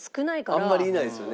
あんまりいないですよね。